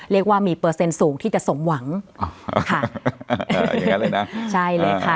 เรียกว่ามีเปอร์เซ็นต์สูงที่จะสมหวังอ๋อค่ะอย่างนั้นเลยนะใช่เลยค่ะ